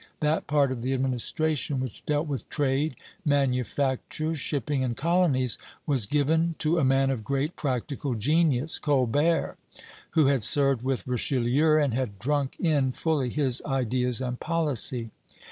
That part of the administration which dealt with trade, manufactures, shipping, and colonies, was given to a man of great practical genius, Colbert, who had served with Richelieu and had drunk in fully his ideas and policy.